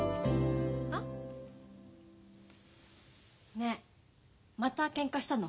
ねえまたけんかしたの？